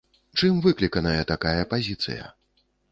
Чым выкліканая такая пазіцыя?